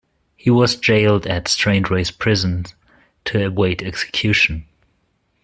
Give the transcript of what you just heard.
He was jailed at Strangeways Prison to await execution.